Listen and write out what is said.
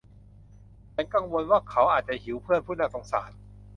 ฉันกังวลว่าเขาอาจจะหิว เพื่อนผู้น่าสงสาร